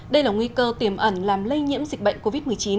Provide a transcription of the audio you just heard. đây là nguy cơ tiềm ẩn làm lây nhiễm dịch bệnh covid một mươi chín